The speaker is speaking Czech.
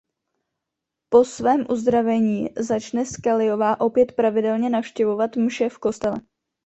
Po svém uzdravení začne Scullyová opět pravidelně navštěvovat mše v kostele.